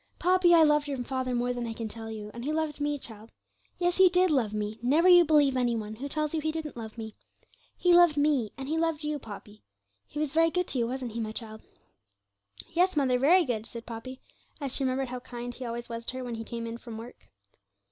'Poppy, I loved your father more than I can tell you, and he loved me, child; yes, he did love me; never you believe any one who tells you he didn't love me. He loved me, and he loved you, Poppy; he was very good to you, wasn't he, my child?' 'Yes, mother, very good,' said Poppy, as she remembered how kind he always was to her when he came in from work.